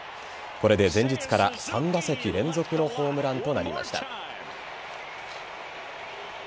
これで前日から３打席連続のホームランとなりました。